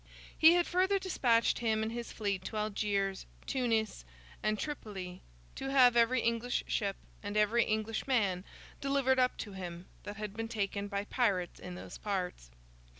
He further despatched him and his fleet to Algiers, Tunis, and Tripoli, to have every English ship and every English man delivered up to him that had been taken by pirates in those parts.